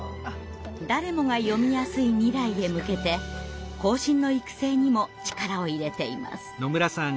誰もが読みやすい未来へ向けて後進の育成にも力を入れています。